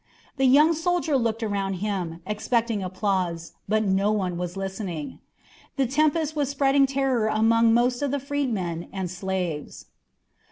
The young soldier looked around him, expecting applause, but no one was listening; the tempest was spreading terror among most of the freedmen and slaves.